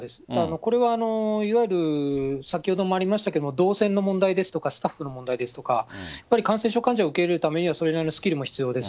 これはいわゆる、先ほどもありましたけれども、動線の問題ですとか、スタッフの問題ですとか、やっぱり感染症患者を受け入れるためには、それなりのスキルも必要です。